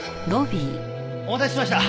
お待たせしました。